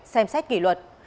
xem xét kỷ luật